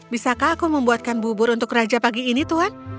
bisakah aku membuatkan bubur untuk raja pagi ini tuhan